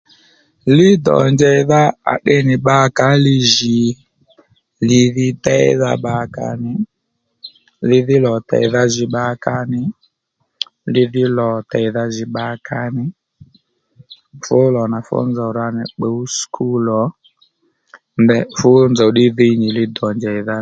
Li dò njèydha à tde nì bbakǎ li jì li dhí déydha bbakǎnì, li dhí lò tèydha jì bbakǎ nì li dhí lò tèydha bbakǎ nì fú lò nà nfú nzòw ra nì pbǔw sùkúl ò fú nzòw ddí ji nì li-dò njèydha